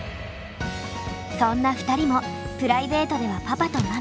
そんな２人もプライベートではパパとママ。